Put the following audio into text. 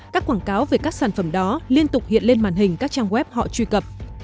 các quảng cáo về các sản phẩm đó liên tục hiện lên màn hình các trang web họ truy cập